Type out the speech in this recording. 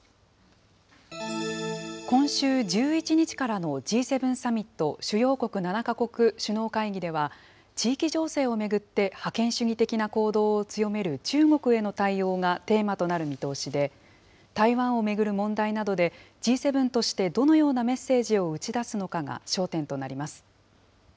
今週１１日からのＧ７サミット・主要国７か国首脳会議では、地域情勢を巡って覇権主義的な行動を強める中国への対応がテーマとなる見通しで、台湾を巡る問題などで、Ｇ７としてどのようなメッセージを打ち出すのかが焦点となります。